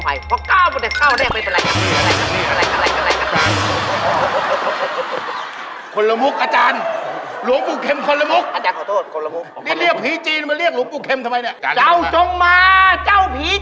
ฮ่าฮ่าฮ่า